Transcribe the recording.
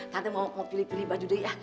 nanti mau pilih pilih baju deh ya